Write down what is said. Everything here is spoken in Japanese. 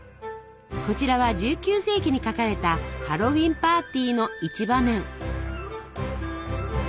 こちらは１９世紀に描かれたハロウィーンパーティーの一場面。